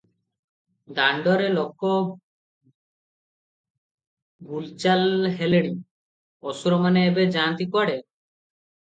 ଦାଣ୍ତରେ ଲୋକ ବୁଲ ଚାଲ ହେଲେଣି, ଅସୁରମାନେ ଏବେ ଯାଆନ୍ତି କୁଆଡେ?